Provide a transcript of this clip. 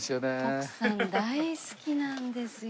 徳さん大好きなんですよ